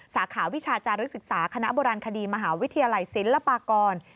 สาขาวิชาจารึกศึกษาคณะโบราณคดีมหาวิทยาลัยศิลปากร